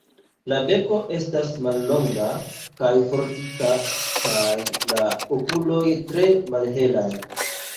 La beko estas mallonga kaj fortika kaj la okuloj tre malhelaj.